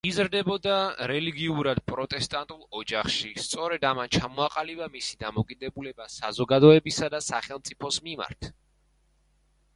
იზრდებოდა რელიგიურად პროტესტანტულ ოჯახში, სწორედ ამან ჩამოაყალიბა მისი დამოკიდებულება საზოგადოებისა და სახელმწიფოს მიმართ.